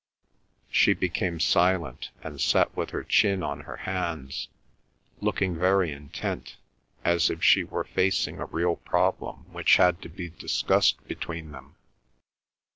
She became silent, and sat with her chin on her hands, looking very intent, as if she were facing a real problem which had to be discussed between them.